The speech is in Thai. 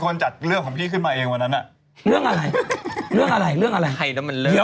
ก็เดินออกมาดูตรงทางออกสามยอดพระศาสตร์